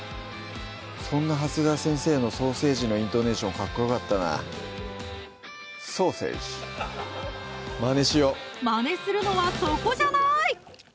そんな長谷川先生の「ソーセージ」のイントネーションかっこよかったな「ソーセージ」マネしよマネするのはそこじゃない！